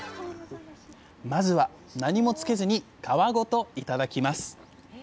まずは何もつけずに皮ごと頂きます！